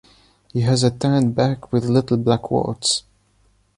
He has a tan back with little black warts.